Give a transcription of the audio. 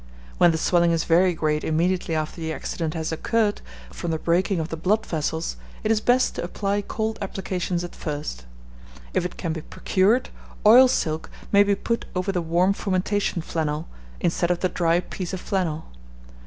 When the swelling is very great immediately after the accident has occurred, from the breaking of the blood vessels, it is best to apply cold applications at first. If it can be procured, oil silk may be put over the warm fomentation flannel, instead of the dry piece of flannel.